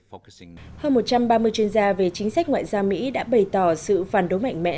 hơn một trăm ba mươi chuyên gia về chính sách ngoại giao mỹ đã bày tỏ sự phản đối mạnh mẽ